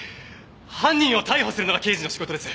犯人を逮捕するのが刑事の仕事です。